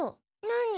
何？